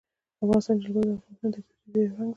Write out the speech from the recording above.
د افغانستان جلکو د افغانستان د طبیعي پدیدو یو رنګ دی.